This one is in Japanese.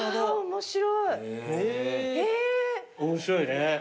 面白いね。